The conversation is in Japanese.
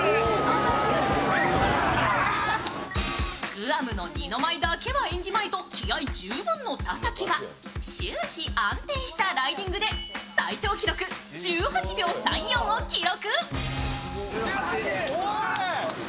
グアムの二の舞だけは演じまいと気合い十分の田崎が終始安定したライディングで最長記録１８秒３４を記録。